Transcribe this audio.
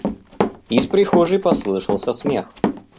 Из прихожей послышался смех.